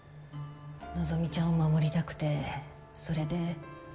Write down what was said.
希ちゃんを守りたくてそれで。